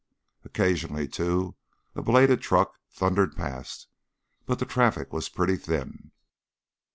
Occasionally, too, a belated truck thundered past, but the traffic was pretty thin.